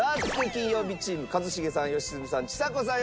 金曜日チーム一茂さん良純さんちさ子さん